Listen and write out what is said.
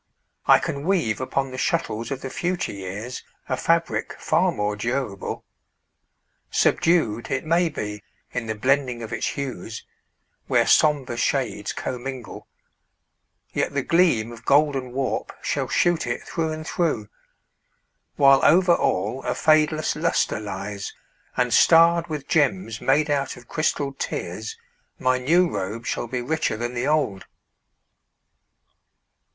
I can weave Upon the shuttles of the future years A fabric far more durable. Subdued, It may be, in the blending of its hues, Where somber shades commingle, yet the gleam Of golden warp shall shoot it through and through, While over all a fadeless luster lies, And starred with gems made out of crystalled tears, My new robe shall be richer than the old.